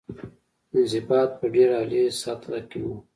انضباط په ډېره عالي سطح کې وه.